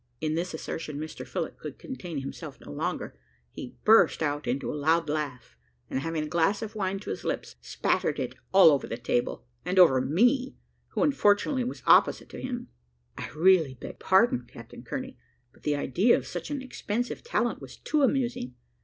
At this assertion Mr Phillott could contain himself no longer; he burst out into a loud laugh, and having a glass of wine to his lips, spattered it all over the table, and over me, who unfortunately was opposite to him. "I really beg pardon, Captain Kearney, but the idea of such an expensive talent was too amusing.